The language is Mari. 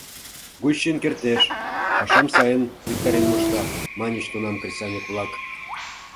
— Гущин кертеш, пашам сайын виктарен мошта, — маньыч тунам кресаньык-влак.